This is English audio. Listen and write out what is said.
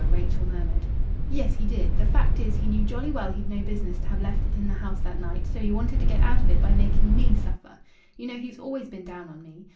Rachel murmured. "Yes, he did. The fact is, he knew jolly well he'd no business to have left it in the house that night, so he wanted to get out of it by making me suffer. You know he's always been down on me.